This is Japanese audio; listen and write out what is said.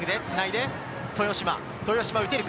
豊嶋、打てるか？